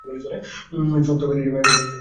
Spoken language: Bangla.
চোখ ত্বকের নিচে ঢাকা থাকে।